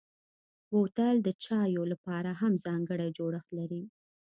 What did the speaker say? بوتل د چايو لپاره هم ځانګړی جوړښت لري.